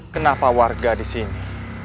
kenapa warga disini